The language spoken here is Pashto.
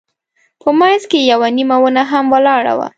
په منځ کې یوه نیمه ونه هم ولاړه وه.